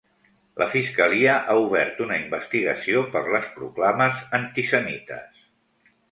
La fiscalia ha obert una investigació per les proclames antisemites.